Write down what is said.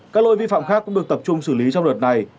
các lỗi vi phạm khác cũng được tập trung xử lý trong đợt này